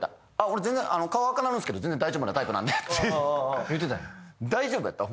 俺全然顔赤なるんですけど全然大丈夫なタイプなんでって言ってたんや大丈夫やった？